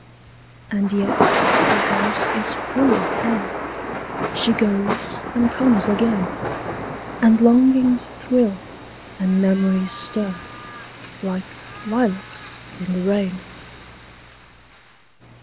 And yet the house is full of her; She goes and comes again; And longings thrill, and memories stir, Like lilacs in the rain.